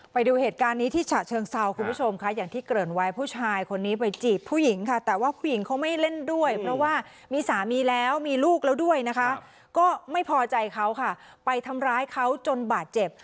ไปดูเหตุการณ์นี้ที่ฉะเชิงเซาคุณผู้ชมค่ะอย่างที่เกริ่นไว้ผู้ชายคนนี้ไปจีบผู้หญิงค่ะแต่ว่าผู้หญิงเขาไม่เล่นด้วยเพราะว่ามีสามีแล้วมีลูกแล้วด้วยนะคะก็ไม่พอใจเขาค่ะไปทำร้ายเขาจนบาดเจ็บ